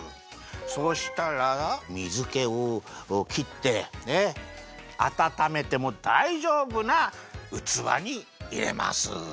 そうしたらみずけをきってあたためてもだいじょうぶなうつわにいれます。